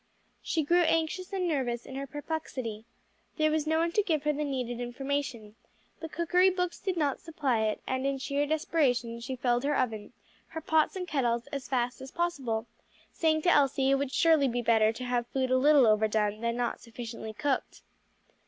She grew anxious and nervous in her perplexity; there was no one to give her the needed information, the cookery books did not supply it, and in sheer desperation she filled her oven, her pots and kettles as fast as possible, saying to Elsie it would surely be better to have food a little overdone than not sufficiently cooked.